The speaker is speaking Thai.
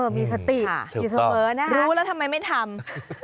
มีสติอยู่เสมอนะคะรู้แล้วทำไมไม่ทำ